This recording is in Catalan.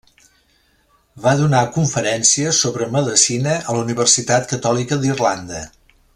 Va donar conferències sobre medicina a la Universitat Catòlica d'Irlanda.